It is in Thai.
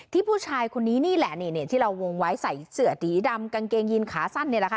ที่ผู้ชายคนนี้นี่แหละเนี่ยที่เราวงไว้ใส่เสือดดีดำกางเกงยินขาสั้นเนี่ยแหละค่ะ